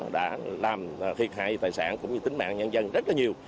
đã làm thiệt hại tài sản cũng như tính mạng nhân dân rất là nhiều